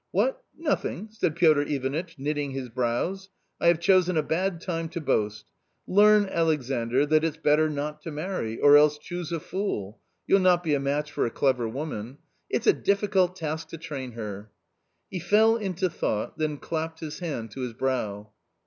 "What, nothing!" said Piotr Ivanitch, knitting his brows. " I have chosen a bad time to boast ! Learn, Alexandr, that it's better not to marry, or else choose a fool; you'll not be a match for a clever woman: it's a difficult task to train her !" He fell into thought, then clapped his hand to his brow.